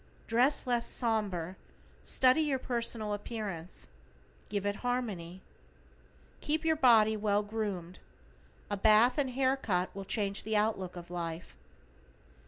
Dress less somber, study your personal appearance, give it harmony. Keep your body well groomed. A bath and hair cut will change the out look of life.